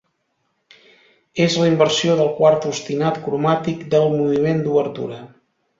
És la inversió del quart ostinat cromàtic del moviment d'obertura.